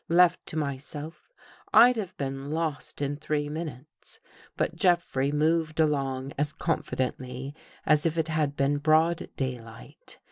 Left to myself, I'd have been lost in three min utes. But Jeffrey moved along as confidently as if it had been broad daylight.